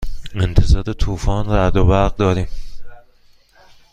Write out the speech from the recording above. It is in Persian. انتظار طوفان رعد و برق داریم.